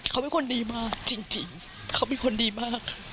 เขาเป็นคนดีมากจริงเขาเป็นคนดีมาก